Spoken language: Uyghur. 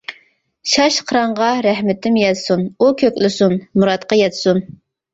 شاش قىرانغا رەھمىتىم يەتسۇن، ئۇ كۆكلىسۇن، مۇرادقا يەتسۇن!